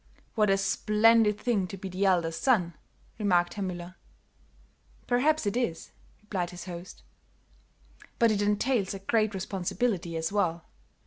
"What a splendid thing to be the eldest son," remarked Herr Müller. "Perhaps it is," replied his host, "but it entails a great responsibility, as well.